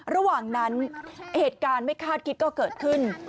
ระหว่างนั้นเหตุการณ์ไม่คาดคิดก็เกิดขึ้น